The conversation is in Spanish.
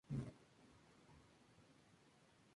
El apodo de "Baby Kate" se ha quedado con ella desde entonces.